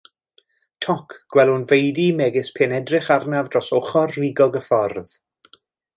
Toc gwelwn feudy megis pe'n edrych arnaf dros ochr rugog y ffordd.